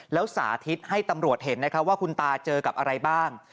แล้วสาธิตให้ตำรวจเห็นนะครับว่าคุณตาเจอกับอะไรบ้าง